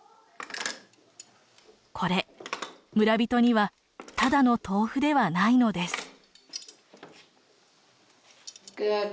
これ村人にはただの豆腐ではないのです。